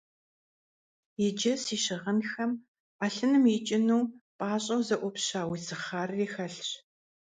Иджы си щыгъынхэм Ӏэлъыным икӀыну пӀащӀэу зэӀупща уи цыхъарри хэлъщ.